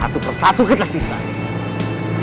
satu persatu kita simpan